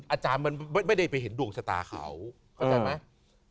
อาจารย์มันไม่ได้ไปเห็นดวงชะตาเขาเข้าใจไหม